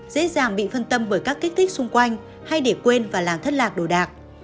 dễ dàng bị phân tâm bởi các kích thích xung quanh hay để quên và làm thất lạc đồ đạc